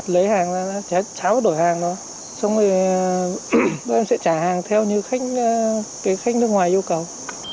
lấy hàng ra cháo đổi hàng đó xong rồi bọn em sẽ trả hàng theo như khách nước ngoài yêu cầu